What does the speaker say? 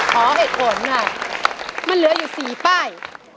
ขอเหตุผลหน่อยมันเหลืออยู่๔ป้าย